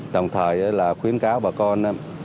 đồng thời là khuyến cáo bà con